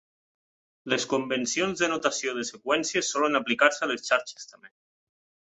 Les convencions de notació de seqüències solen aplicar-se a les xarxes també.